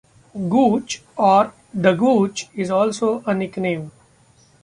Gooch or the Gooch is also a nickname.